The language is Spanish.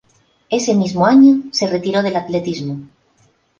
Ese mismo año se retiró del atletismo.